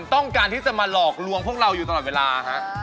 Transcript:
ต้องการที่จะมาหลอกลวงพวกเราอยู่ตลอดเวลาฮะ